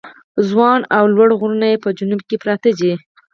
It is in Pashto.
ځوان او لوړ غرونه یې په جنوب کې پراته دي.